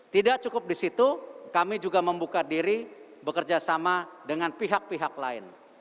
tidak cukup di situ kami juga membuka diri bekerja sama dengan pihak pihak lain